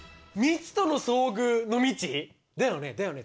だよね？